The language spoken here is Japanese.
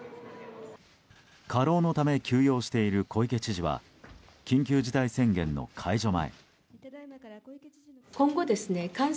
過労のため休養している小池知事は緊急事態宣言の解除前。